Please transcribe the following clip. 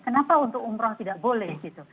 kenapa untuk umroh tidak boleh